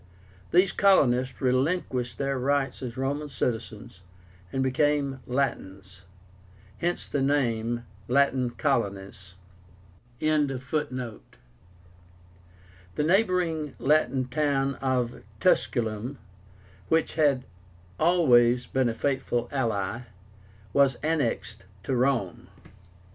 These colonists relinquished their rights as Roman citizens and became Latins; hence the name LATIN COLONIES.) The neighboring Latin town of TUSCULUM, which had always been a faithful ally, was annexed to Rome.